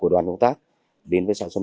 đã đem tết đến gần hơn